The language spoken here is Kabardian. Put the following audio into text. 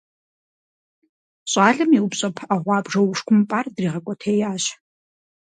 Щӏалэм и упщӀэ пыӀэ гъуабжэ ушкӀумпӀар дригъэкӀуэтеящ.